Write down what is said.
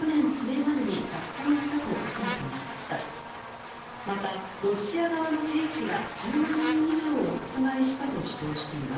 またロシア側の兵士ら１０万人以上を殺害したと主張しています。